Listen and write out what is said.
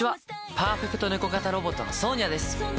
パーフェクトネコ型ロボットのソーニャです